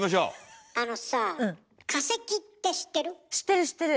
あのさあ知ってる知ってる。